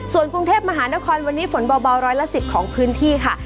ส่วนกรุงเทพมหานครวันนี้ฝนเบาร้อยละ๑๐ของพื้นที่ค่ะ